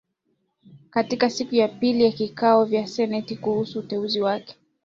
Katika siku ya pili ya vikao vya seneti kuhusu uteuzi wake